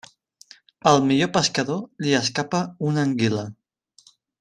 Al millor pescador li escapa una anguila.